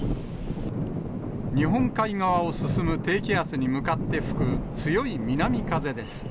日本海側を進む低気圧に向かって吹く強い南風です。